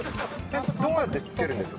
どうやってつけるんですか？